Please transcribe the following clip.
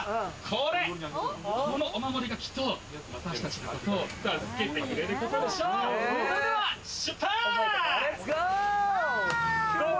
このお守りが、きっと私たちを助けてくれることでしょう。